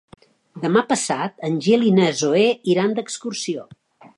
Demà passat en Gil i na Zoè iran d'excursió.